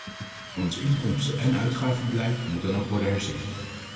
Ons inkomsten- en uitgavenbeleid moet dan ook worden herzien.